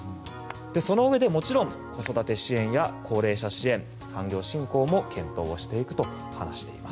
そのうえで、もちろん子育て支援や高齢者支援産業振興も検討をしていくと話しています。